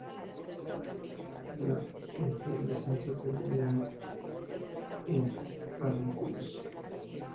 La inflorescencia terminal en pedúnculos.